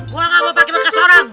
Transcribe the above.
gue gak mau pakai muka seorang